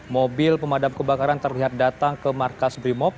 mobil pemadam kebakaran terlihat datang ke markas brimob